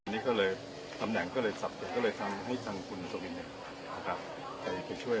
นี่ก็เลยตำแหน่งก็เลยทำให้ทางคุณสวินิคครับ